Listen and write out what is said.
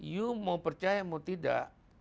you mau percaya mau tidak